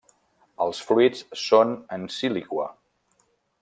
Els fruits són en síliqua.